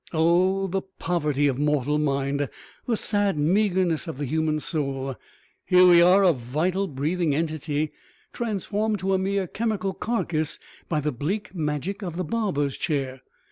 Oh, the poverty of mortal mind, the sad meagerness of the human soul! Here we are, a vital, breathing entity, transformed to a mere chemical carcass by the bleak magic of the barber's chair.